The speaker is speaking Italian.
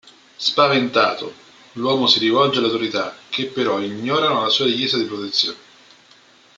Spaventato, l'uomo si rivolge alle autorità, che però ignorano la sua richiesta di protezione.